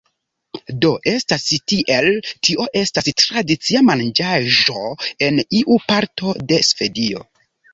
Do, estas tiel, tio estas tradicia manĝaĵo en iu parto de Svedio